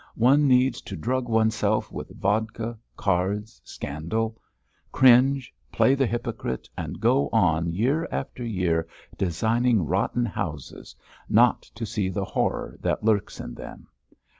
One needs to drug oneself with vodka, cards, scandal; cringe, play the hypocrite, and go on year after year designing rotten houses, not to see the horror that lurks in them.